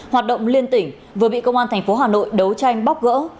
hoạt động liên tỉnh vừa bị công an tp hà nội đấu tranh bóc gỡ